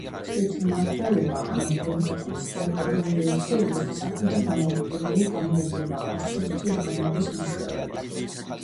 თვითმმართველობა ამა თუ იმ ქვეყნის, ტერიტორიული ერთეულის საქმეთა დამოუკიდებელი გამგებლობა, არჩევითი ორგანოების მეშვეობით.